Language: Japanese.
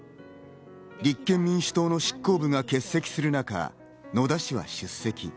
立憲民主党の執行部が欠席する中、野田氏は出席。